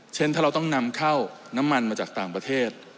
เช่นถ้าเราต้องนำเข้าน้ำมันมาจากต่างประเทศ